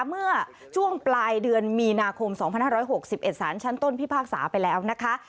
เมื่อช่วงปลายเดือนมีนาคม๒๕๖๑สารชั้นต้นพิพากษาไปแล้วนะคะ